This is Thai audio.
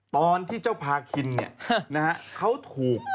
ตอนที่เจ้าพาคินเขาถูก